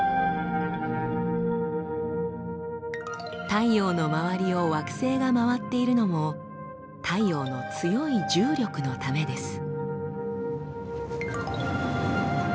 太陽の周りを惑星が回っているのも太陽の強い重力のためです。